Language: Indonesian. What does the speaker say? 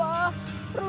saya akan beritahu